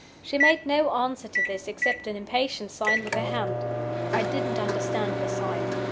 She made no answer to this, except an impatient sign with her hand. I didn't understand the sign.